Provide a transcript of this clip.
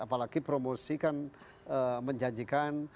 apalagi promosi kan menjanjikan